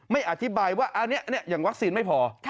ไม่อธิบายว่าอันนี้อย่างวัคซีนไม่พอ